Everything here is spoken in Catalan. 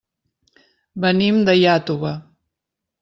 Venim d'Iàtova.